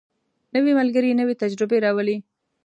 نوی ملګری نوې تجربې راولي